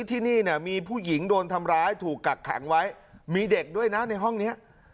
ที่นี่เนี่ยมีผู้หญิงโดนทำร้ายถูกกักขังไว้มีเด็กด้วยนะในห้องนี้